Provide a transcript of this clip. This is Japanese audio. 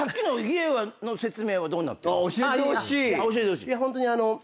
教えてほしい。